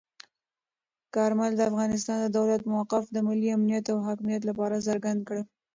کارمل د افغانستان د دولت موقف د ملي امنیت او حاکمیت لپاره څرګند کړ.